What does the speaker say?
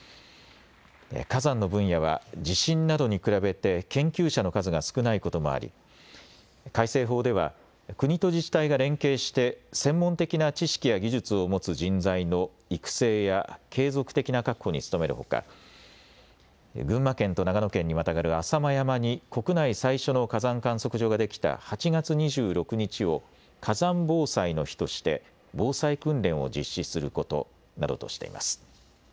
火山の分野は地震などに比べて研究者の数が少ないこともあり改正法では国と自治体が連携して専門的な知識や技術を持つ人材の育成や継続的な確保に努めるほか、群馬県と長野県にまたがる浅間山に国内最初の火山観測所ができた８月２６日を火山防災の日として防災訓練を実施することなどとしています。